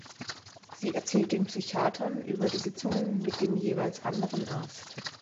Sie erzählt den Psychiatern über die Sitzungen mit dem jeweils anderen Arzt.